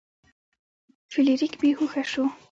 فلیریک بې هوښه شو.